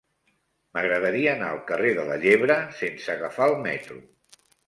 M'agradaria anar al carrer de la Llebre sense agafar el metro.